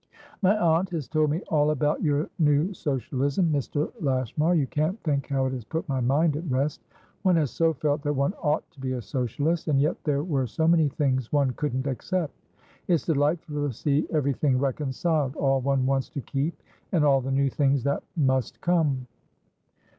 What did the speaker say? "My aunt has told me all about your new Socialism, Mr. Lashmar. You can't think how it has put my mind at rest! One has so felt that one ought to be a Socialist, and yet there were so many things one couldn't accept. It's delightful to see everything reconciledall one wants to keep and all the new things that must come!"